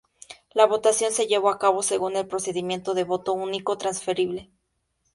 La votación se llevó a cabo según el procedimiento de voto único transferible.